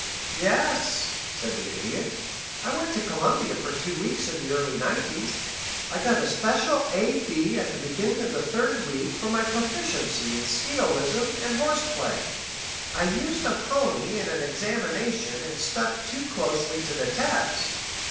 "Yes," said the Idiot. "I went to Columbia for two weeks in the early nineties. I got a special A. B. at the beginning of the third week for my proficiency in sciolism and horseplay. I used a pony in an examination and stuck too closely to the text."